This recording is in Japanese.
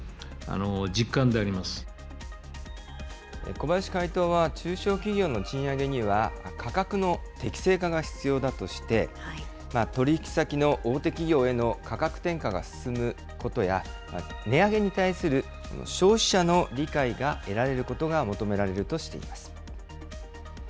小林会頭は中小企業の賃上げには価格の適正化が必要だとして、取り引き先の大手企業への価格転嫁が進むことや、値上げに対する消費者の理解が得られることが求められるとしています。